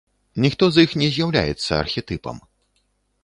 Ніхто з іх не з'яўляецца архетыпам.